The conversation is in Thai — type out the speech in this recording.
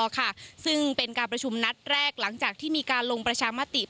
ซึ่งเป็นการประชุมนัดแรกหลังจากที่มีการลงประชามติ